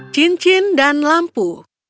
cincin dan lampu